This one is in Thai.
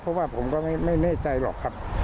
เพราะว่าผมก็ไม่แน่ใจหรอกครับ